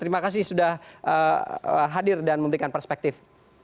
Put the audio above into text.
terima kasih sudah hadir dan memberikan perspektif